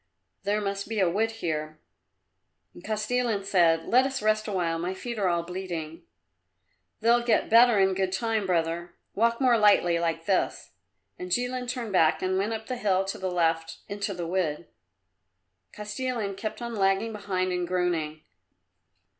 There must be a wood here." And Kostilin said, "Let us rest a while; my feet are all bleeding." "They'll get better in good time, brother. Walk more lightly like this." And Jilin turned back and went up the hill to the left into the wood. Kostilin kept on lagging behind and groaning.